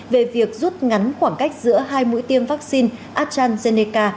về việc rút ngắn khoảng cách giữa hai mũi tiêm vaccine astrazeneca